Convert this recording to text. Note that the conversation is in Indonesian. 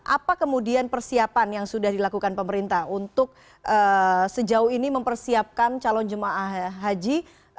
apa kemudian persiapan yang sudah dilakukan pemerintah untuk sejauh ini mempersiapkan calon jemaah haji